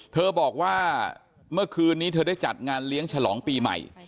เธอบอกว่าเมื่อคืนนี้เธอได้จัดงานเลี้ยงฉลองปีใหม่